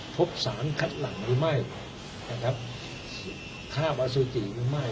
พบสารคัดหลังหรือไม่นะครับคาบอสุจิหรือไม่